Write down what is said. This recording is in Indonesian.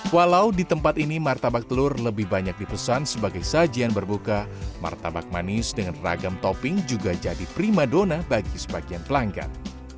walau di tempat ini martabak telur lebih banyak dipesan sebagai sajian berbuka martabak manis dengan ragam topping juga jadi prima dona bagi sebagian pelanggan